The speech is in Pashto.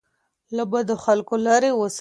له بدو خلګو لري اوسئ.